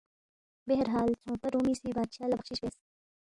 بہرحال ژھونگپا رُومی سی بادشاہ لہ بخشِس بیاس